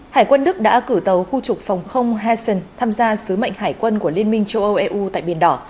hải quân đức đã cử tàu khu trục phòng không hessen tham gia sứ mệnh hải quân của liên minh châu âu eu tại biển đỏ